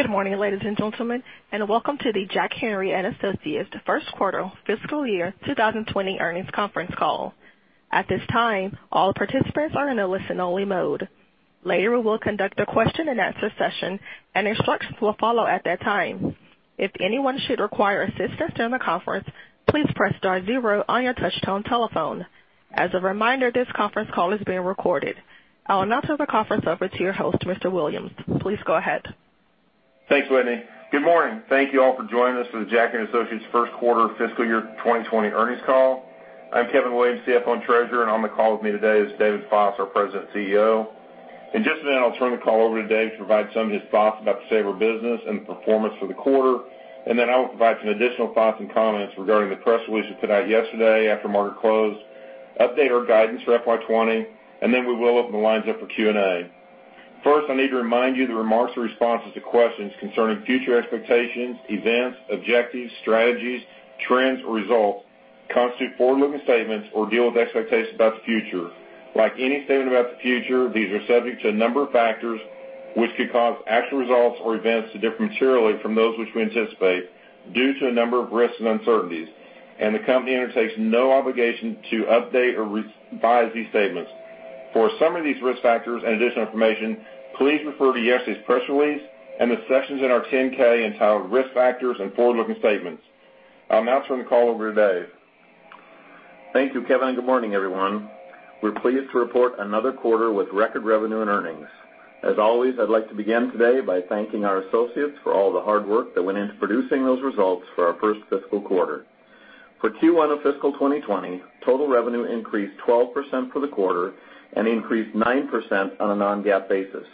Good morning, ladies and gentlemen, and welcome to the Jack Henry & Associates first quarter fiscal year 2020 earnings conference call. At this time, all participants are in a listen-only mode. Later, we will conduct a question-and-answer session, and instructions will follow at that time. If anyone should require assistance during the conference, please press star zero on your touch-tone telephone. As a reminder, this conference call is being recorded. I will now turn the conference over to your host, Mr. Williams. Please go ahead. Thanks, Whitney. Good morning. Thank you all for joining us for the Jack Henry & Associates' first quarter fiscal year 2020 earnings call. I'm Kevin Williams, CFO and Treasurer, and on the call with me today is David Foss, our President and CEO. In just a minute, I'll turn the call over to David to provide some of his thoughts about the state of our business and the performance for the quarter. And then I will provide some additional thoughts and comments regarding the press release we put out yesterday after market closed, update our guidance for FY2020, and then we will open the lines up for Q&A. First, I need to remind you the remarks and responses to questions concerning future expectations, events, objectives, strategies, trends, or results constitute forward-looking statements or deal with expectations about the future. Like any statement about the future, these are subject to a number of factors which could cause actual results or events to differ materially from those which we anticipate due to a number of risks and uncertainties, and the company undertakes no obligation to update or revise these statements. For a summary of these risk factors and additional information, please refer to yesterday's press release and the sections in our 10-K entitled Risk Factors and Forward-Looking Statements. I'll now turn the call over to Dave. Thank you, Kevin, and good morning, everyone. We're pleased to report another quarter with record revenue and earnings. As always, I'd like to begin today by thanking our associates for all the hard work that went into producing those results for our first fiscal quarter. For Q1 of fiscal 2020, total revenue increased 12% for the quarter and increased 9% on a non-GAAP basis.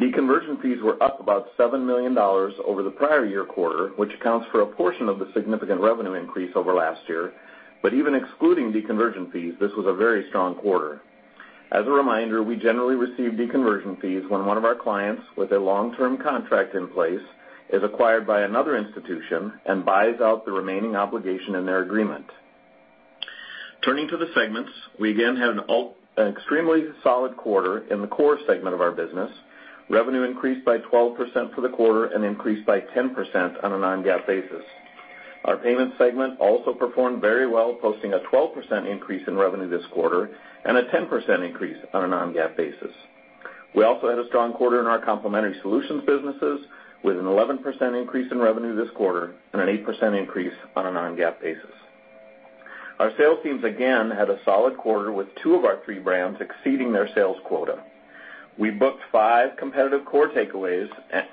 Deconversion fees were up about $7 million over the prior year quarter, which accounts for a portion of the significant revenue increase over last year. But even excluding deconversion fees, this was a very strong quarter. As a reminder, we generally receive deconversion fees when one of our clients, with a long-term contract in place, is acquired by another institution and buys out the remaining obligation in their agreement. Turning to the segments, we again had an extremely solid quarter in the core segment of our business. Revenue increased by 12% for the quarter and increased by 10% on a non-GAAP basis. Our payments segment also performed very well, posting a 12% increase in revenue this quarter and a 10% increase on a non-GAAP basis. We also had a strong quarter in our complementary solutions businesses with an 11% increase in revenue this quarter and an 8% increase on a non-GAAP basis. Our sales teams, again, had a solid quarter with two of our three brands exceeding their sales quota. We booked five competitive core takeaways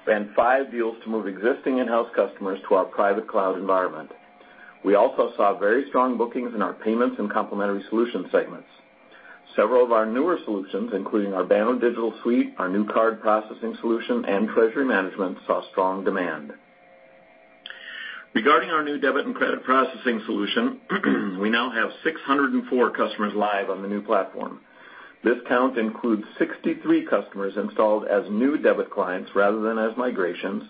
and five deals to move existing in-house customers to our private cloud environment. We also saw very strong bookings in our payments and complementary solution segments. Several of our newer solutions, including our Banno Digital Suite, our new card processing solution, and Treasury Management, saw strong demand. Regarding our new Debit and Credit Processing Solution, we now have 604 customers live on the new platform. This count includes 63 customers installed as new debit clients rather than as migrations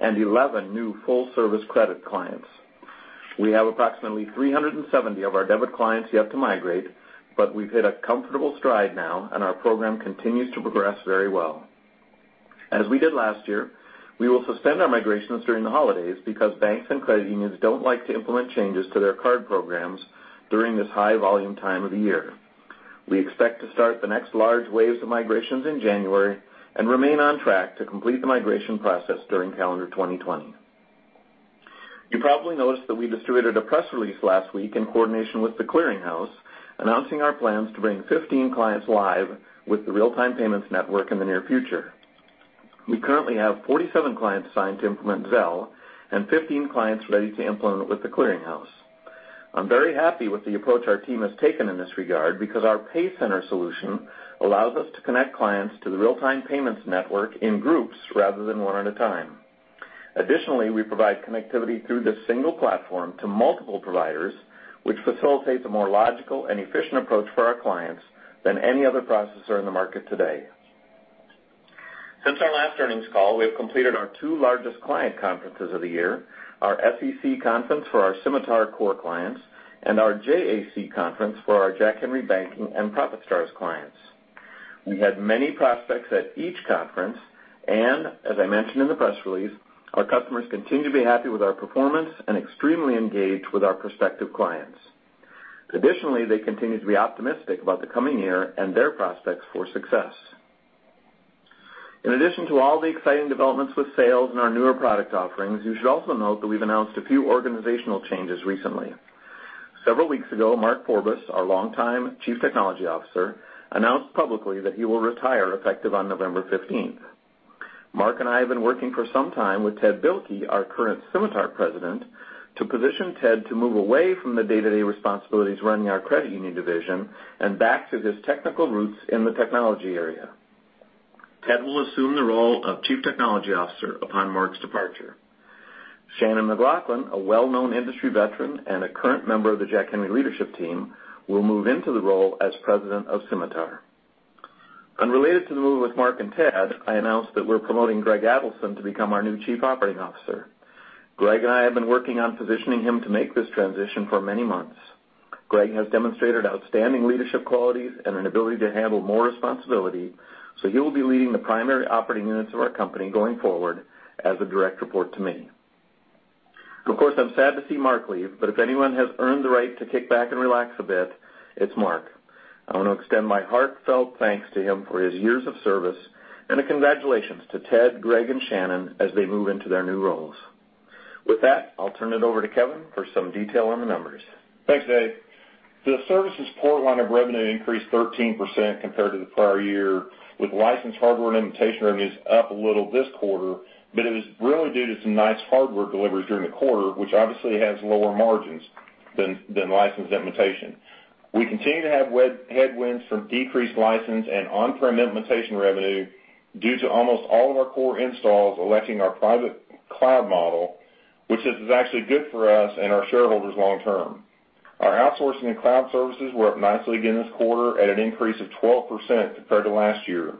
and 11 new full-service credit clients. We have approximately 370 of our debit clients yet to migrate, but we've hit a comfortable stride now, and our program continues to progress very well. As we did last year, we will suspend our migrations during the holidays because banks and credit unions don't like to implement changes to their card programs during this high-volume time of the year. We expect to start the next large waves of migrations in January and remain on track to complete the migration process during calendar 2020. You probably noticed that we distributed a press release last week in coordination with The Clearing House, announcing our plans to bring 15 clients live with the real-time payments network in the near future. We currently have 47 clients assigned to implement Zelle and 15 clients ready to implement with The Clearing House. I'm very happy with the approach our team has taken in this regard because our PayCenter solution allows us to connect clients to the real-time payments network in groups rather than one at a time. Additionally, we provide connectivity through this single platform to multiple providers, which facilitates a more logical and efficient approach for our clients than any other processor in the market today. Since our last earnings call, we have completed our two largest client conferences of the year: our SEC conference for our Symitar Core clients and our JAC conference for our Jack Henry Banking and ProfitStars clients. We had many prospects at each conference, and as I mentioned in the press release, our customers continue to be happy with our performance and extremely engaged with our prospective clients. Additionally, they continue to be optimistic about the coming year and their prospects for success. In addition to all the exciting developments with sales and our newer product offerings, you should also note that we've announced a few organizational changes recently. Several weeks ago, Mark Forbis, our longtime Chief Technology Officer, announced publicly that he will retire effective on November 15th. Mark and I have been working for some time with Ted Bilke, our current Symitar President, to position Ted to move away from the day-to-day responsibilities running our credit union division and back to his technical roots in the technology area. Ted will assume the role of Chief Technology Officer upon Mark's departure. Shanon McLachlan, a well-known industry veteran and a current member of the Jack Henry leadership team, will move into the role as President of Symitar. Unrelated to the move with Mark and Ted, I announced that we're promoting Greg Adelson to become our new Chief Operating Officer. Greg and I have been working on positioning him to make this transition for many months. Greg has demonstrated outstanding leadership qualities and an ability to handle more responsibility, so he will be leading the primary operating units of our company going forward as a direct report to me. Of course, I'm sad to see Mark leave, but if anyone has earned the right to kick back and relax a bit, it's Mark. I want to extend my heartfelt thanks to him for his years of service and congratulations to Ted, Greg, and Shanon as they move into their new roles. With that, I'll turn it over to Kevin for some detail on the numbers. Thanks, Dave. The services portion line of revenue increased 13% compared to the prior year, with licensed hardware and maintenance revenues up a little this quarter, but it was really due to some nice hardware deliveries during the quarter, which obviously has lower margins than licensed maintenance. We continue to have headwinds from decreased license and on-prem implementation revenue due to almost all of our core installs electing our private cloud model, which is actually good for us and our shareholders long-term. Our outsourcing and cloud services were up nicely again this quarter at an increase of 12% compared to last year.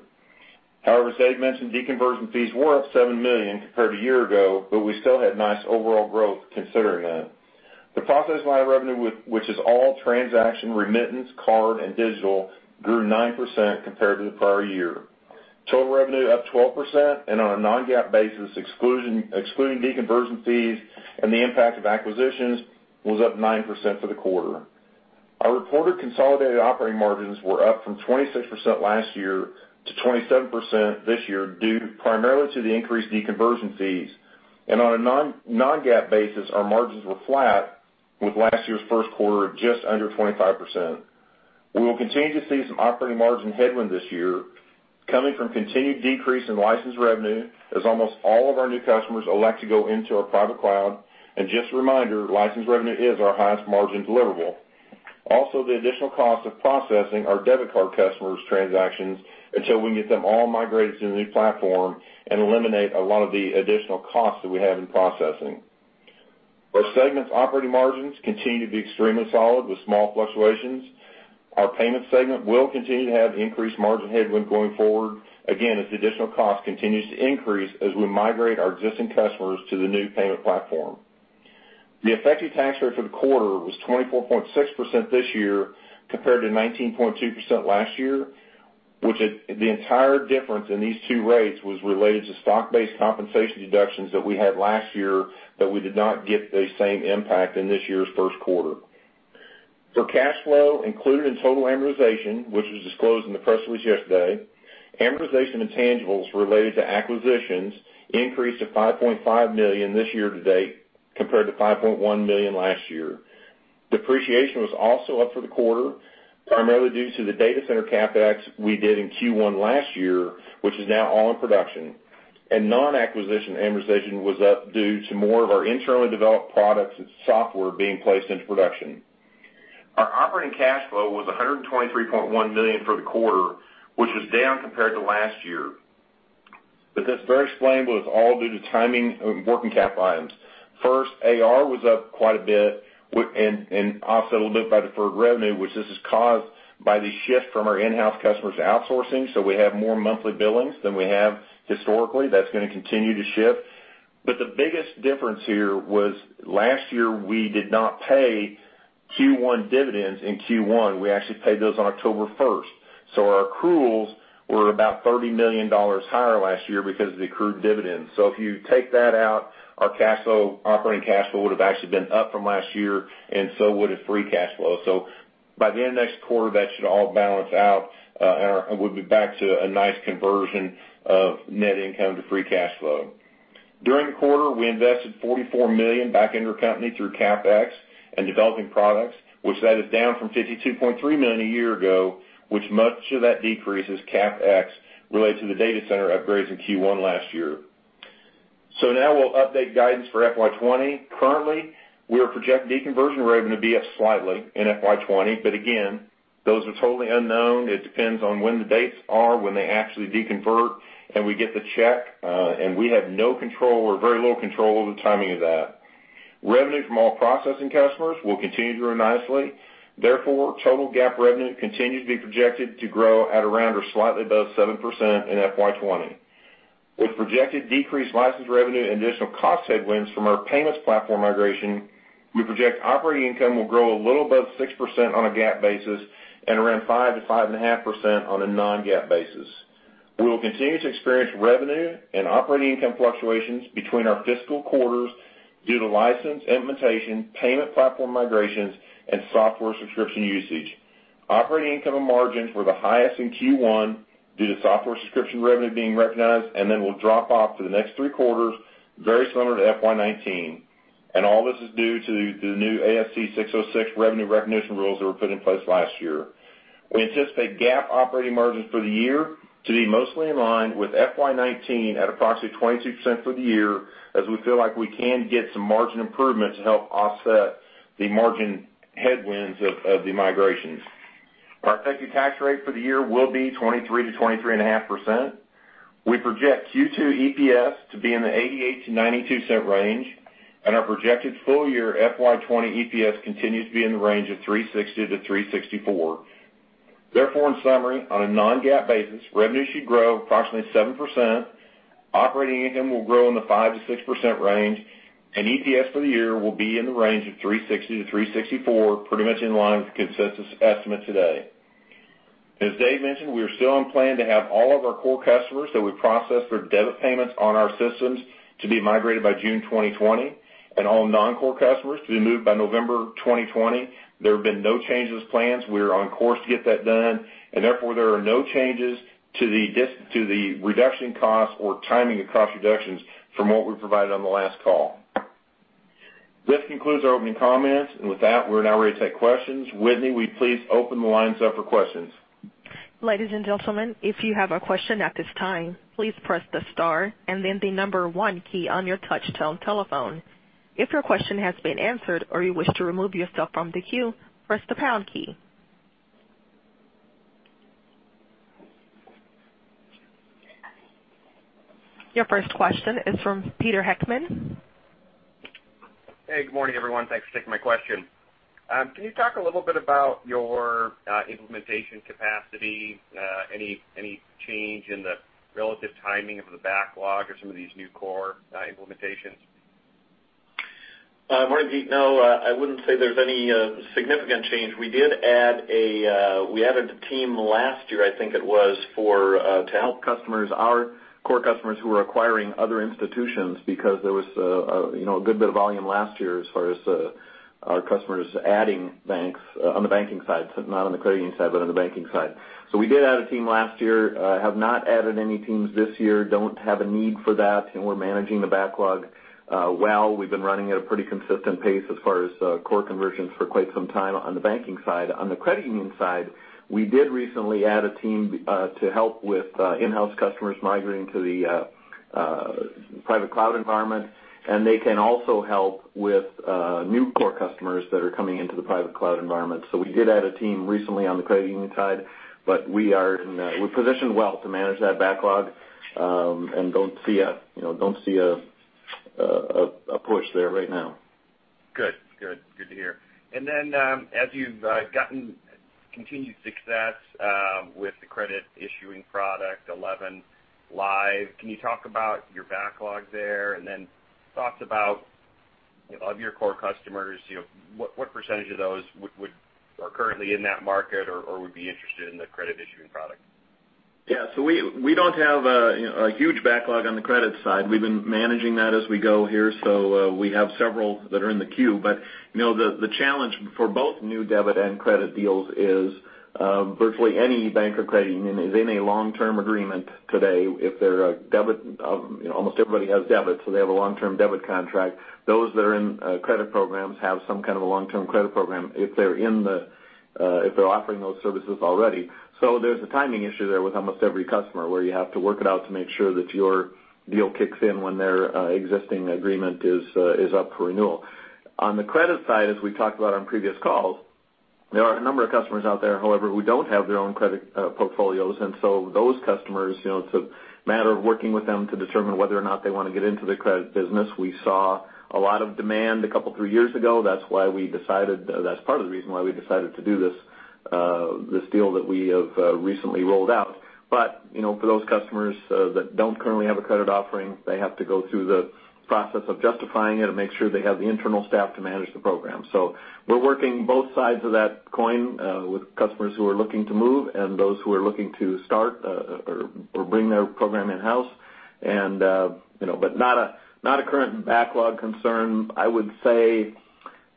However, as Dave mentioned, deconversion fees were up $7 million compared to a year ago, but we still had nice overall growth considering that. The processing line of revenue, which is all transaction remittance, card, and digital, grew 9% compared to the prior year. Total revenue up 12%, and on a non-GAAP basis, excluding deconversion fees and the impact of acquisitions, was up 9% for the quarter. Our reported consolidated operating margins were up from 26% last year to 27% this year due primarily to the increased deconversion fees. And on a non-GAAP basis, our margins were flat, with last year's first quarter just under 25%. We will continue to see some operating margin headwinds this year, coming from continued decrease in licensed revenue, as almost all of our new customers elect to go into our private cloud. And just a reminder, licensed revenue is our highest margin deliverable. Also, the additional cost of processing our debit card customers' transactions until we can get them all migrated to the new platform and eliminate a lot of the additional costs that we have in processing. Our segment's operating margins continue to be extremely solid with small fluctuations. Our payment segment will continue to have increased margin headwinds going forward, again, as the additional cost continues to increase as we migrate our existing customers to the new payment platform. The effective tax rate for the quarter was 24.6% this year compared to 19.2% last year, which the entire difference in these two rates was related to stock-based compensation deductions that we had last year that we did not get the same impact in this year's first quarter. For cash flow included in total amortization, which was disclosed in the press release yesterday, amortization and tangibles related to acquisitions increased to $5.5 million this year to date compared to $5.1 million last year. Depreciation was also up for the quarter, primarily due to the data center CapEx we did in Q1 last year, which is now all in production. And non-acquisition amortization was up due to more of our internally developed products and software being placed into production. Our operating cash flow was $123.1 million for the quarter, which was down compared to last year. But that's very explainable. It's all due to timing and working cap items. First, AR was up quite a bit and offset a little bit by deferred revenue, which this is caused by the shift from our in-house customers to outsourcing, so we have more monthly billings than we have historically. That's going to continue to shift. But the biggest difference here was last year we did not pay Q1 dividends in Q1. We actually paid those on October 1st. Our accruals were about $30 million higher last year because of the accrued dividends. If you take that out, our operating cash flow would have actually been up from last year, and so would have free cash flow. By the end of next quarter, that should all balance out, and we'll be back to a nice conversion of net income to free cash flow. During the quarter, we invested $44 million back into our company through CapEx and developing products, which is down from $52.3 million a year ago, which much of that decrease is CapEx related to the data center upgrades in Q1 last year. Now we'll update guidance for FY2020. Currently, we are projecting deconversion revenue to be up slightly in FY2020, but again, those are totally unknown. It depends on when the dates are when they actually deconvert, and we get the check, and we have no control or very little control over the timing of that. Revenue from all processing customers will continue to grow nicely. Therefore, total GAAP revenue continues to be projected to grow at around or slightly above 7% in FY2020. With projected decreased licensed revenue and additional cost headwinds from our payments platform migration, we project operating income will grow a little above 6% on a GAAP basis and around 5-5.5% on a non-GAAP basis. We will continue to experience revenue and operating income fluctuations between our fiscal quarters due to licensed implementation, payment platform migrations, and software subscription usage. Operating income and margins were the highest in Q1 due to software subscription revenue being recognized, and then will drop off for the next three quarters, very similar to FY19. And all this is due to the new ASC 606 revenue recognition rules that were put in place last year. We anticipate GAAP operating margins for the year to be mostly in line with FY19 at approximately 22% for the year, as we feel like we can get some margin improvement to help offset the margin headwinds of the migrations. Our effective tax rate for the year will be 23%-23.5%. We project Q2 EPS to be in the $0.88-$0.92 range, and our projected full year FY2020 EPS continues to be in the range of $3.60-$3.64. Therefore, in summary, on a non-GAAP basis, revenue should grow approximately 7%. Operating income will grow in the 5%-6% range, and EPS for the year will be in the range of $3.60-$3.64, pretty much in line with consensus estimates today. As Dave mentioned, we are still on plan to have all of our core customers that we process their debit payments on our systems to be migrated by June 2020, and all non-core customers to be moved by November 2020. There have been no changes to plans. We are on course to get that done, and therefore, there are no changes to the reduction costs or timing of cost reductions from what we provided on the last call. This concludes our opening comments, and with that, we're now ready to take questions. Whitney, will you please open the lines up for questions? Ladies and gentlemen, if you have a question at this time, please press the star and then the number one key on your touch-tone telephone. If your question has been answered or you wish to remove yourself from the queue, press the pound key. Your first question is from Peter Heckman. Hey, good morning, everyone. Thanks for taking my question. Can you talk a little bit about your implementation capacity, any change in the relative timing of the backlog of some of these new core implementations? Morning, Pete. No, I wouldn't say there's any significant change. We did add a team last year, I think it was, to help customers, our core customers who were acquiring other institutions because there was a good bit of volume last year as far as our customers adding banks on the banking side, not on the credit union side, but on the banking side. So we did add a team last year. I have not added any teams this year, don't have a need for that, and we're managing the backlog well. We've been running at a pretty consistent pace as far as core conversions for quite some time on the banking side. On the credit union side, we did recently add a team to help with in-house customers migrating to the private cloud environment, and they can also help with new core customers that are coming into the private cloud environment. So we did add a team recently on the credit union side, but we're positioned well to manage that backlog and don't see a push there right now. Good. Good. Good to hear. And then as you've gotten continued success with the credit-issuing product 11 live, can you talk about your backlog there and then thoughts about, of your core customers, what percentage of those are currently in that market or would be interested in the credit-issuing product? Yeah, so we don't have a huge backlog on the credit side. We've been managing that as we go here, so we have several that are in the queue, but the challenge for both new debit and credit deals is virtually any bank or credit union is in a long-term agreement today. If they're a debit, almost everybody has debit, so they have a long-term debit contract. Those that are in credit programs have some kind of a long-term credit program if they're offering those services already, so there's a timing issue there with almost every customer where you have to work it out to make sure that your deal kicks in when their existing agreement is up for renewal. On the credit side, as we talked about on previous calls, there are a number of customers out there, however, who don't have their own credit portfolios, and so those customers, it's a matter of working with them to determine whether or not they want to get into the credit business. We saw a lot of demand a couple of three years ago. That's why we decided that's part of the reason why we decided to do this deal that we have recently rolled out. But for those customers that don't currently have a credit offering, they have to go through the process of justifying it and make sure they have the internal staff to manage the program. So we're working both sides of that coin with customers who are looking to move and those who are looking to start or bring their program in-house. But not a current backlog concern. I would say,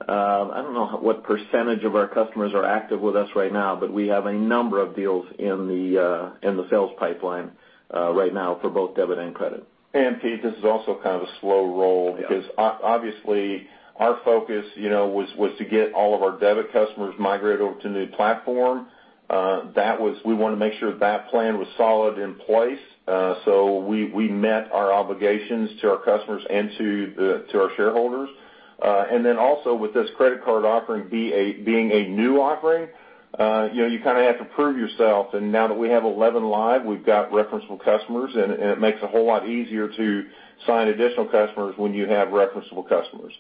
I don't know what percentage of our customers are active with us right now, but we have a number of deals in the sales pipeline right now for both debit and credit. And Pete, this is also kind of a slow roll because obviously our focus was to get all of our debit customers migrated over to the new platform. We wanted to make sure that plan was solid in place, so we met our obligations to our customers and to our shareholders. And then also with this credit card offering being a new offering, you kind of have to prove yourself. And now that we have 11 live, we've got referenceable customers, and it makes it a whole lot easier to sign additional customers when you have referenceable customers.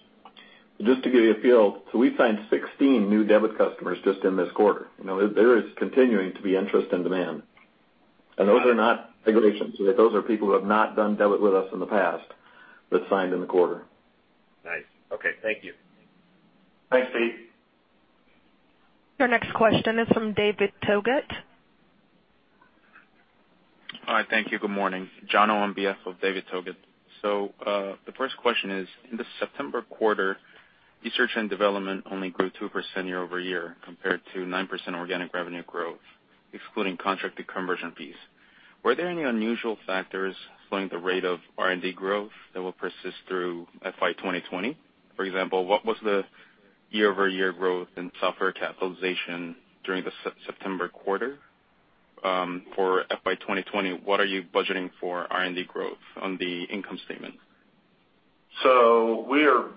Just to give you a feel, so we signed 16 new debit customers just in this quarter. There is continuing to be interest and demand, and those are not migrations. Those are people who have not done debit with us in the past that signed in the quarter. Nice. Okay. Thank you. Thanks, Pete. Our next question is from David Togut. Hi. Thank you. Good morning. John on behalf of David Togut. So the first question is, in the September quarter, research and development only grew 2% year over year compared to 9% organic revenue growth, excluding contracted conversion fees. Were there any unusual factors slowing the rate of R&D growth that will persist through FY2020? For example, what was the year-over-year growth in software capitalization during the September quarter? For FY2020, what are you budgeting for R&D growth on the income statement? We're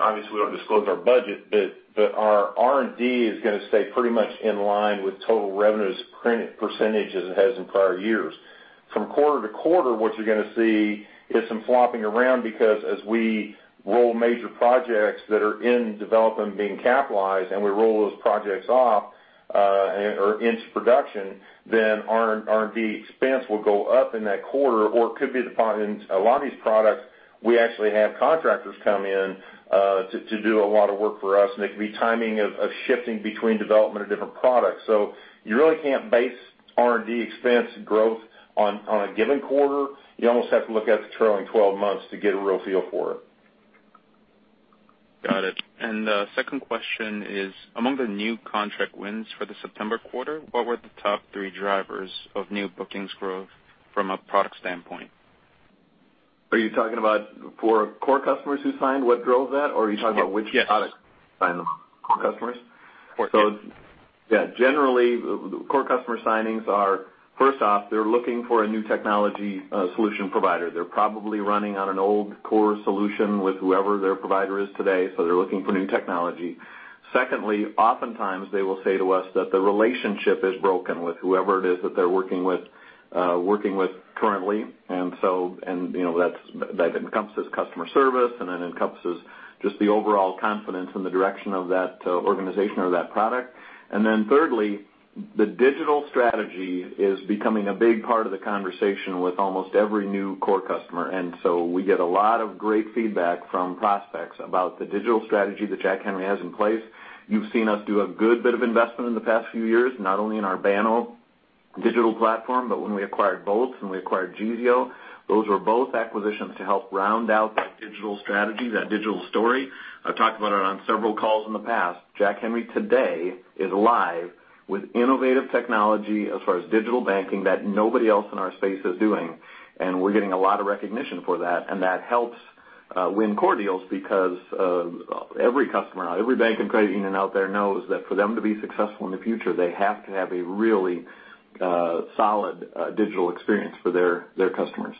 obviously, we don't disclose our budget, but our R&D is going to stay pretty much in line with total revenues as a percentage as it has in prior years. From quarter to quarter, what you're going to see is some flopping around because as we roll major projects that are in development being capitalized and we roll those projects off or into production, then our R&D expense will go up in that quarter, or it could be that a lot of these products, we actually have contractors come in to do a lot of work for us, and it could be timing of shifting between development of different products, so you really can't base R&D expense growth on a given quarter. You almost have to look at the trailing 12 months to get a real feel for it. Got it. And the second question is, among the new contract wins for the September quarter, what were the top three drivers of new bookings growth from a product standpoint? Are you talking about for core customers who signed, what drove that, or are you talking about which products signed them? Core customers? Or both. So yeah, generally, core customer signings are, first off, they're looking for a new technology solution provider. They're probably running on an old core solution with whoever their provider is today, so they're looking for new technology. Secondly, oftentimes, they will say to us that the relationship is broken with whoever it is that they're working with currently. And so that encompasses customer service and then encompasses just the overall confidence in the direction of that organization or that product. And then thirdly, the digital strategy is becoming a big part of the conversation with almost every new core customer. And so we get a lot of great feedback from prospects about the digital strategy that Jack Henry has in place. You've seen us do a good bit of investment in the past few years, not only in our Banno Digital Platform, but when we acquired Banno and we acquired Geezeo. Those were both acquisitions to help round out that digital strategy, that digital story. I've talked about it on several calls in the past. Jack Henry today is live with innovative technology as far as digital banking that nobody else in our space is doing, and we're getting a lot of recognition for that, and that helps win core deals because every customer, every bank and credit union out there knows that for them to be successful in the future, they have to have a really solid digital experience for their customers.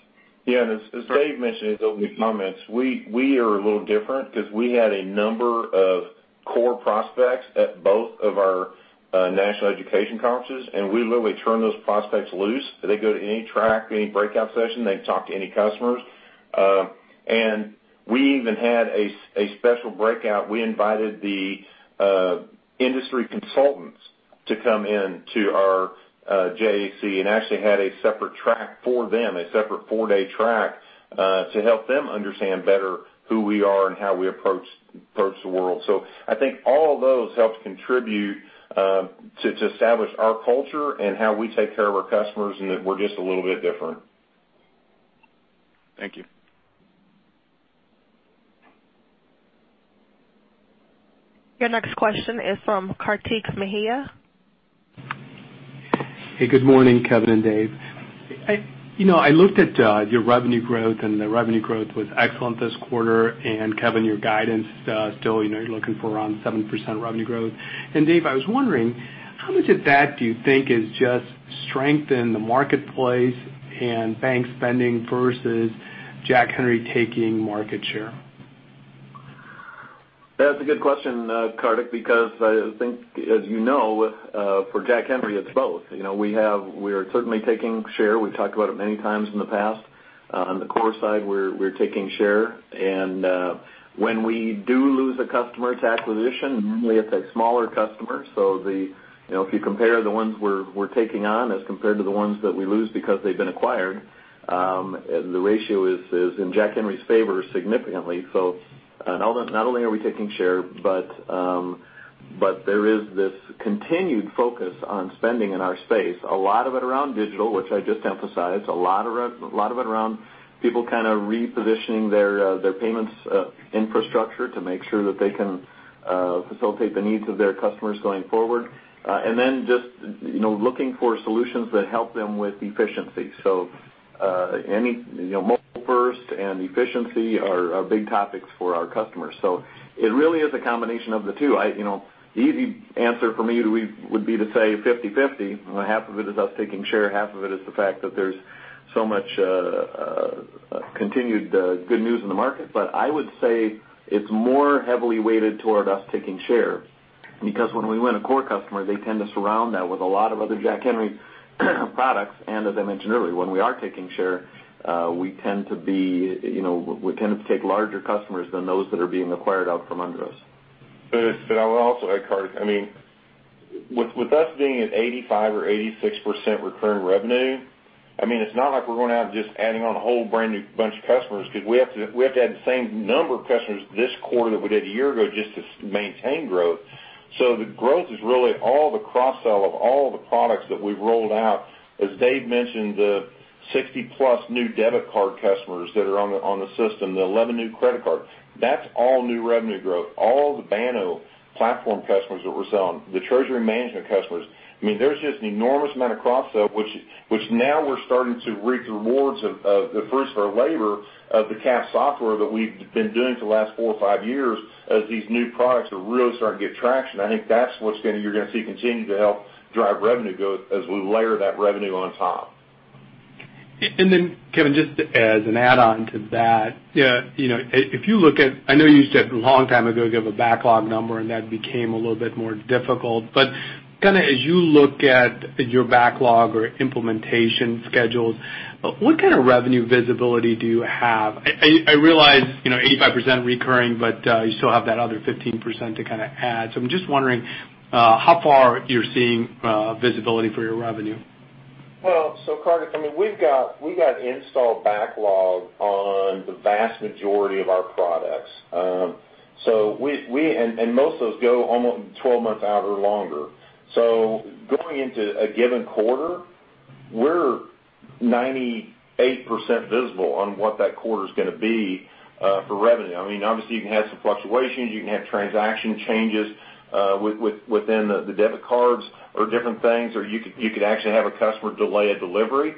Yeah. And as Dave mentioned in his opening comments, we are a little different because we had a number of core prospects at both of our national education conferences, and we literally turn those prospects loose. They go to any track, any breakout session, they talk to any customers. And we even had a special breakout. We invited the industry consultants to come into our JAC and actually had a separate track for them, a separate four-day track to help them understand better who we are and how we approach the world. So I think all of those helped contribute to establish our culture and how we take care of our customers and that we're just a little bit different. Thank you. Your next question is from Karthik Mehta. Hey, good morning, Kevin and Dave. I looked at your revenue growth, and the revenue growth was excellent this quarter. And Kevin, your guidance still, you're looking for around 7% revenue growth. And Dave, I was wondering, how much of that do you think is just strength in the marketplace and bank spending versus Jack Henry taking market share? That's a good question, Karthik, because I think, as you know, for Jack Henry, it's both. We are certainly taking share. We've talked about it many times in the past. On the core side, we're taking share. And when we do lose a customer to acquisition, normally it's a smaller customer. So if you compare the ones we're taking on as compared to the ones that we lose because they've been acquired, the ratio is in Jack Henry's favor significantly. So not only are we taking share, but there is this continued focus on spending in our space, a lot of it around digital, which I just emphasized, a lot of it around people kind of repositioning their payments infrastructure to make sure that they can facilitate the needs of their customers going forward. And then just looking for solutions that help them with efficiency. So mobile-first and efficiency are big topics for our customers. So it really is a combination of the two. The easy answer for me would be to say 50/50. Half of it is us taking share. Half of it is the fact that there's so much continued good news in the market. But I would say it's more heavily weighted toward us taking share because when we win a core customer, they tend to surround that with a lot of other Jack Henry products. And as I mentioned earlier, when we are taking share, we tend to take larger customers than those that are being acquired out from under us. But I will also add, Karthik, I mean, with us being at 85% or 86% recurring revenue, I mean, it's not like we're going out and just adding on a whole brand new bunch of customers because we have to add the same number of customers this quarter that we did a year ago just to maintain growth. So the growth is really all the cross-sell of all the products that we've rolled out. As Dave mentioned, the 60-plus new debit card customers that are on the system, the 11 new credit cards, that's all new revenue growth. All the Banno platform customers that we're selling, the Treasury Management customers, I mean, there's just an enormous amount of cross-sell, which now we're starting to reap the rewards of the fruits of our labor of the CapEx software that we've been doing for the last four or five years as these new products are really starting to get traction. I think that's what you're going to see continue to help drive revenue growth as we layer that revenue on top. And then, Kevin, just as an add-on to that, if you look at, I know you said a long time ago you have a backlog number, and that became a little bit more difficult. But kind of as you look at your backlog or implementation schedules, what kind of revenue visibility do you have? I realize 85% recurring, but you still have that other 15% to kind of add. So I'm just wondering how far you're seeing visibility for your revenue. So, Karthik, I mean, we've got install backlog on the vast majority of our products. And most of those go almost 12 months out or longer. So going into a given quarter, we're 98% visible on what that quarter is going to be for revenue. I mean, obviously, you can have some fluctuations. You can have transaction changes within the debit cards or different things. Or you could actually have a customer delay a delivery,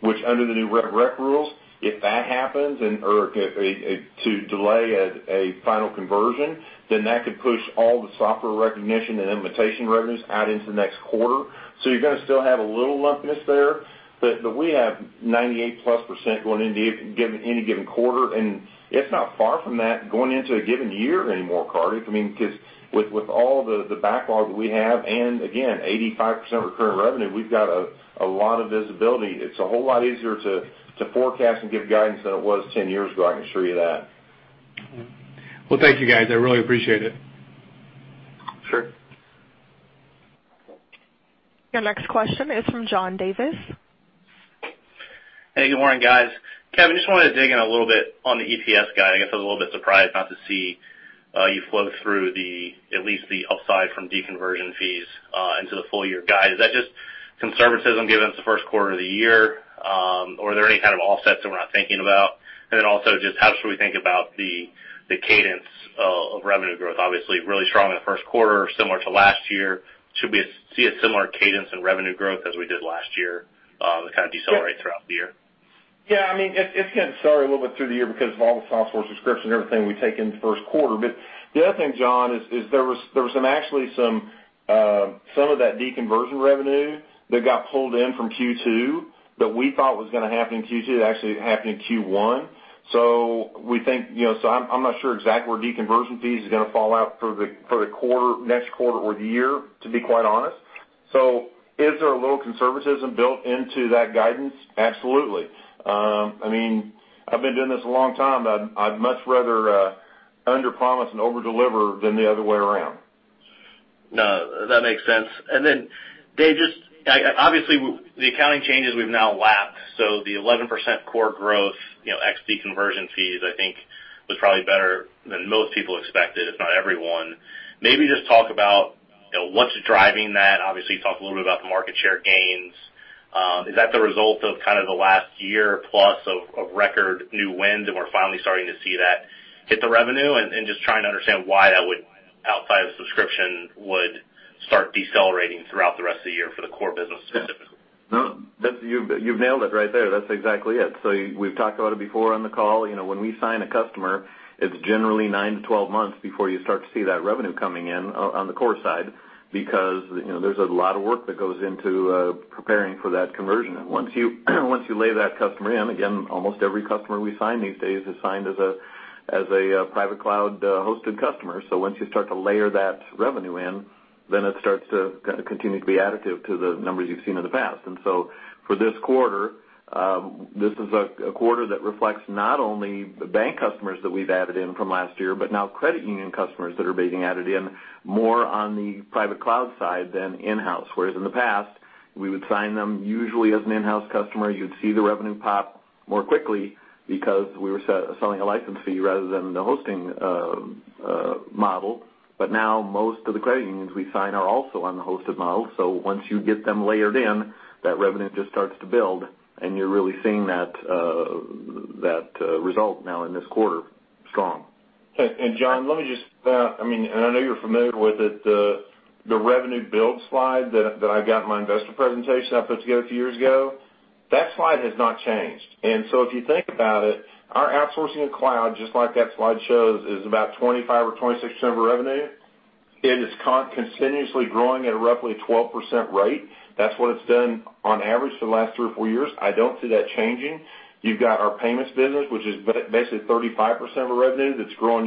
which under the new revenue recognition rules, if that happens or to delay a final conversion, then that could push all the software recognition and implementation revenues out into the next quarter. So you're going to still have a little lumpiness there. But we have 98-plus% going into any given quarter. And it's not far from that going into a given year anymore, Karthik. I mean, because with all the backlog that we have and, again, 85% recurring revenue, we've got a lot of visibility. It's a whole lot easier to forecast and give guidance than it was 10 years ago. I can assure you that. Well, thank you, guys. I really appreciate it. Sure. Your next question is from John Davis. Hey, good morning, guys. Kevin, just wanted to dig in a little bit on the EPS guide. I guess I was a little bit surprised not to see you flow through at least the upside from deconversion fees into the full-year guide. Is that just conservatism given it's the first quarter of the year, or are there any kind of offsets that we're not thinking about? And then also just how should we think about the cadence of revenue growth? Obviously, really strong in the first quarter, similar to last year. Should we see a similar cadence in revenue growth as we did last year that kind of decelerate throughout the year? Yeah. I mean, it's going to decelerate a little bit through the year because of all the software subscriptions and everything we take in the first quarter. But the other thing, John, is there was actually some of that deconversion revenue that got pulled in from Q2 that we thought was going to happen in Q2. It actually happened in Q1. So we think so I'm not sure exactly where deconversion fees are going to fall out for the next quarter or the year, to be quite honest. So is there a little conservatism built into that guidance? Absolutely. I mean, I've been doing this a long time, but I'd much rather underpromise and overdeliver than the other way around. No, that makes sense. And then, Dave, just obviously, the accounting changes we've now lapped. So the 11% core growth, ex-deconversion Fees, I think, was probably better than most people expected, if not everyone. Maybe just talk about what's driving that. Obviously, talk a little bit about the market share gains. Is that the result of kind of the last year plus of record new wins? And we're finally starting to see that hit the revenue and just trying to understand why that would, outside of subscription, start decelerating throughout the rest of the year for the core business specifically. No, you've nailed it right there. That's exactly it. So we've talked about it before on the call. When we sign a customer, it's generally nine to 12 months before you start to see that revenue coming in on the core side because there's a lot of work that goes into preparing for that conversion. And once you lay that customer in, again, almost every customer we sign these days is signed as a private cloud-hosted customer. So once you start to layer that revenue in, then it starts to continue to be additive to the numbers you've seen in the past. And so for this quarter, this is a quarter that reflects not only the bank customers that we've added in from last year, but now credit union customers that are being added in more on the private cloud side than in-house. Whereas in the past, we would sign them usually as an in-house customer. You'd see the revenue pop more quickly because we were selling a license fee rather than the hosting model. But now most of the credit unions we sign are also on the hosted model. So once you get them layered in, that revenue just starts to build. And you're really seeing that result now in this quarter, strong. And John, let me just, I mean, and I know you're familiar with it, the revenue build slide that I got in my investor presentation I put together a few years ago, that slide has not changed. And so if you think about it, our outsourcing of cloud, just like that slide shows, is about 25 or 26% of our revenue. It is continuously growing at a roughly 12% rate. That's what it's done on average for the last three or four years. I don't see that changing. You've got our payments business, which is basically 35% of our revenue that's growing.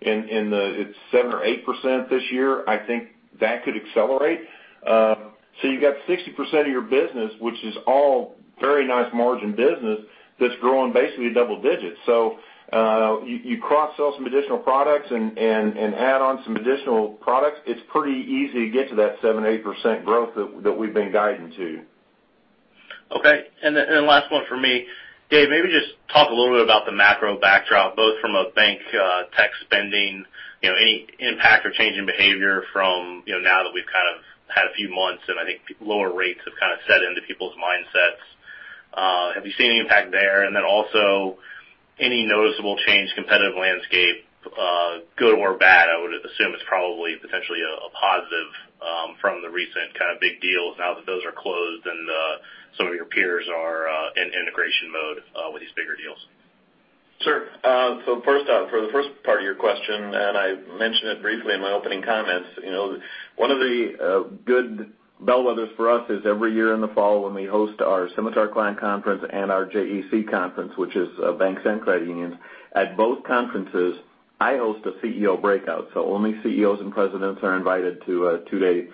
It's 7 or 8% this year. I think that could accelerate. So you've got 60% of your business, which is all very nice margin business that's growing basically double digits. So you cross-sell some additional products and add on some additional products. It's pretty easy to get to that 7-8% growth that we've been guided to. Okay. And then last one for me. Dave, maybe just talk a little bit about the macro backdrop, both from a bank tech spending, any impact or changing behavior from now that we've kind of had a few months and I think lower rates have kind of set into people's mindsets. Have you seen any impact there? And then also any noticeable change, competitive landscape, good or bad. I would assume it's probably potentially a positive from the recent kind of big deals now that those are closed and some of your peers are in integration mode with these bigger deals. Sure. So first off, for the first part of your question, and I mentioned it briefly in my opening comments, one of the good bellwethers for us is every year in the fall when we host our Symitar client conference and our JAC conference, which is banks and credit unions. At both conferences, I host a CEO breakout. So only CEOs and presidents are invited to a two-day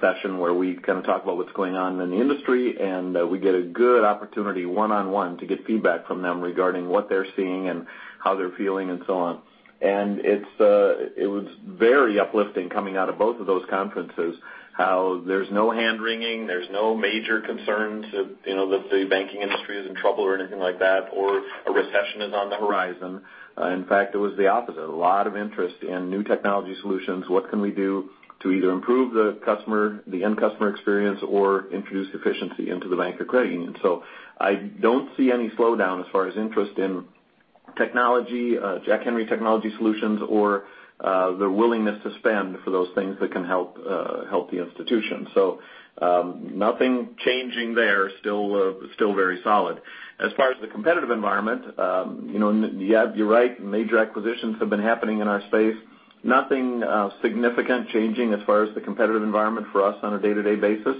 session where we kind of talk about what's going on in the industry. And we get a good opportunity one-on-one to get feedback from them regarding what they're seeing and how they're feeling and so on. And it was very uplifting coming out of both of those conferences how there's no hand-wringing, there's no major concerns that the banking industry is in trouble or anything like that, or a recession is on the horizon. In fact, it was the opposite. A lot of interest in new technology solutions, what can we do to either improve the end customer experience or introduce efficiency into the bank or credit union? So I don't see any slowdown as far as interest in technology, Jack Henry technology solutions, or the willingness to spend for those things that can help the institution. So nothing changing there, still very solid. As far as the competitive environment, you're right, major acquisitions have been happening in our space. Nothing significant changing as far as the competitive environment for us on a day-to-day basis.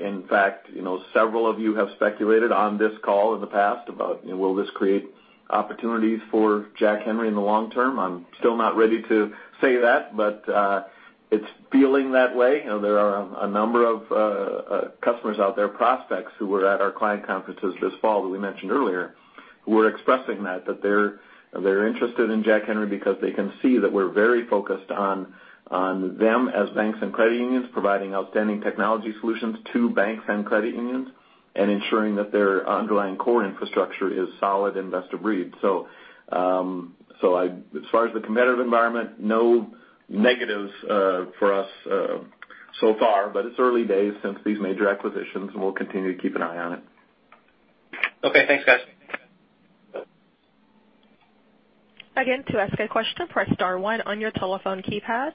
In fact, several of you have speculated on this call in the past about will this create opportunities for Jack Henry in the long term. I'm still not ready to say that, but it's feeling that way. There are a number of customers out there, prospects who were at our client conferences this fall that we mentioned earlier, who were expressing that they're interested in Jack Henry because they can see that we're very focused on them as banks and credit unions providing outstanding technology solutions to banks and credit unions and ensuring that their underlying core infrastructure is solid and best of breed, so as far as the competitive environment, no negatives for us so far, but it's early days since these major acquisitions, and we'll continue to keep an eye on it. Okay. Thanks, guys. Again, to ask a question, press star one on your telephone keypad.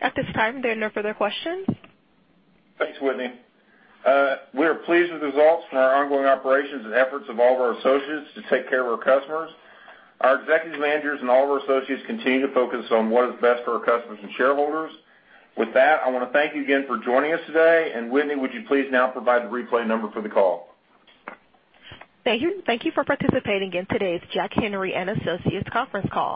At this time, there are no further questions. Thanks, Whitney. We are pleased with the results from our ongoing operations and efforts of all of our associates to take care of our customers. Our executive managers and all of our associates continue to focus on what is best for our customers and shareholders. With that, I want to thank you again for joining us today, and Whitney, would you please now provide the replay number for the call? Thank you for participating in today's Jack Henry & Associates conference call.